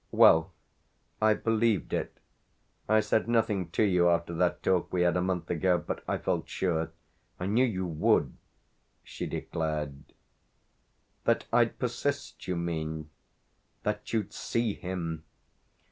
"Well, I've believed it. I said nothing to you after that talk we had a month ago but I felt sure. I knew you would," she declared. "That I'd persist, you mean?" "That you'd see him."